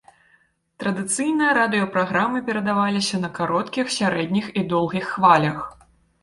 Традыцыйна радыёпраграмы перадаваліся на кароткіх, сярэдніх і доўгіх хвалях.